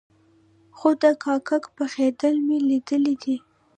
خو د کاک پخېدل مې ليدلي دي.